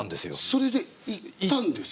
それで行ったんですか？